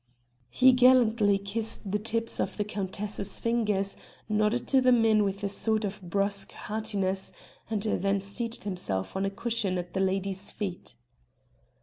He gallantly kissed the tips of the countess's fingers, nodded to the men with a sort of brusque heartiness, and then seated himself on a cushion at the lady's feet.